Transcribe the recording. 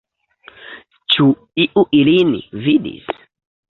Ĉu iu ilin vidis?